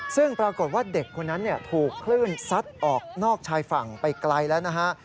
ซึ่งปรากฏว่าเด็กคนนั้นถูกคลื่นซัดออกนอกชายฝั่งไปไกลแล้วนะฮะ